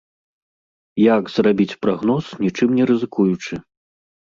Як зрабіць прагноз, нічым не рызыкуючы?